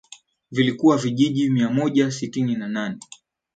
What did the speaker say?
Vilikuwa vijiji mia moja sitini na nane